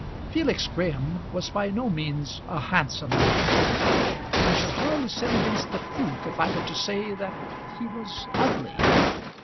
Felix Graham was by no means a handsome man; I should hardly sin against the truth if I were to say that he was ugly.